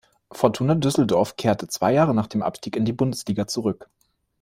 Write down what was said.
Fortuna Düsseldorf kehrte zwei Jahre nach dem Abstieg in die Bundesliga zurück.